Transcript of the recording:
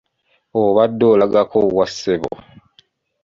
Obadde olagako wa ssebo?